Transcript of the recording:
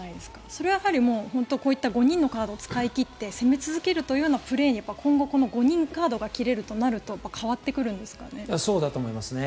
それは、本当にこういった５人のカードを使い切って攻め続けるというプレーが今後、この５人カードが切れるとなるとそうだと思いますね。